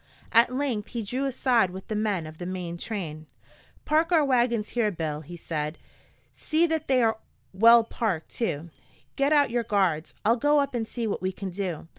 At length he drew aside with the men of the main train. "Park our wagons here, Bill," he said. "See that they are well parked, too. Get out your guards. I'll go up and see what we can do.